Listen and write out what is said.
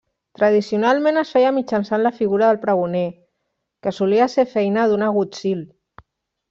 Tradicionalment es feia mitjançant la figura del pregoner, que solia ser feina d'un agutzil.